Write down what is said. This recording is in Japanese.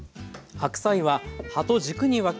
白菜は葉と軸に分け